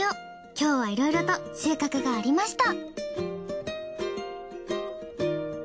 今日はいろいろと収穫がありました。